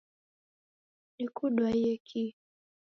Nikudwaiye kii